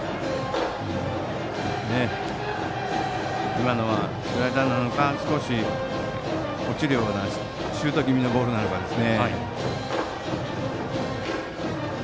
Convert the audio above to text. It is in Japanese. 今のはスライダーなのか少し落ちるようなシュート気味のボールなのかです。